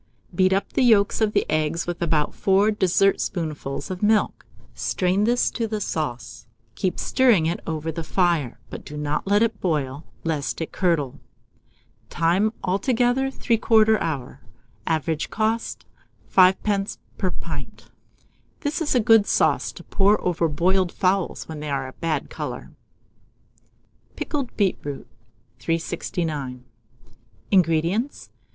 Beat up the yolks of the eggs with about 4 dessertspoonfuls of milk; strain this to the sauce, keep stirring it over the fire, but do not let it boil, lest it curdle. Time. Altogether, 3/4 hour. Average cost, 5d. per pint. This is a good sauce to pour over boiled fowls when they are a bad colour. PICKLED BEETROOT. 369. INGREDIENTS.